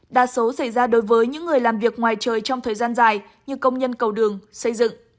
đa số xảy ra đối với những người làm việc ngoài trời trong thời gian dài như công nhân cầu đường xây dựng